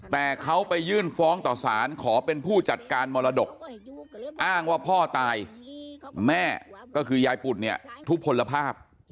แต่เขาไปยื่นฟ้องต่อสารขอเป็นผู้จัดการมรดกอ้างว่าพ่อตายแม่ก็คือยายปุ่นเนี่ยทุกผลภาพ